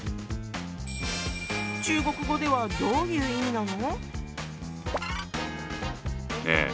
中国語ではどういう意味なの？